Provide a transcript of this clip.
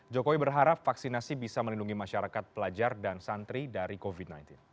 jokowi berharap vaksinasi bisa melindungi masyarakat pelajar dan santri dari covid sembilan belas